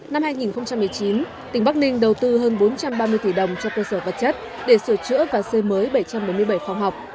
năm hai nghìn một mươi chín tỉnh bắc ninh đầu tư hơn bốn trăm ba mươi tỷ đồng cho cơ sở vật chất để sửa chữa và xây mới bảy trăm bốn mươi bảy phòng học